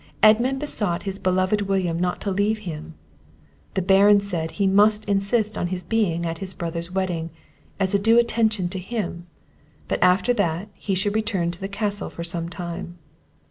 Edmund besought his beloved William not to leave him. The Baron said, he must insist on his being at his brother's wedding, as a due attention to him, but after that he should return to the Castle for some time.